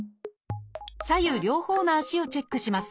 左右両方の足をチェックします。